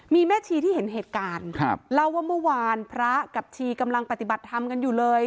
มีแม่ชีที่เห็นเหตุการณ์ครับเล่าว่าเมื่อวานพระกับชีกำลังปฏิบัติธรรมกันอยู่เลย